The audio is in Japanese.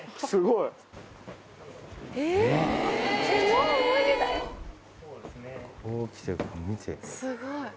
すごい！